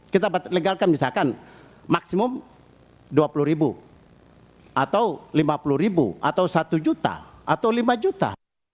kita legalkan misalkan maksimum dua puluh ribu atau lima puluh ribu atau satu juta atau lima juta